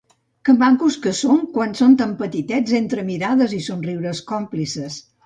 Que macos que són quan són tan petitets entre mirades i somriures còmplices.